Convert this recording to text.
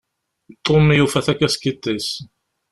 Tom yufa takaskiṭ-is.